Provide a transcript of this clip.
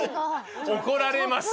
怒られます！